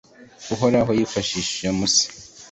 uhoraho yifashishije musa.